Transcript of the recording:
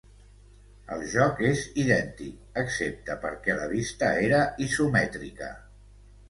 El joc és idèntic, excepte perquè la vista era isomètrica.